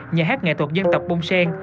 nhà hát nghệ thuật dân tộc bông sen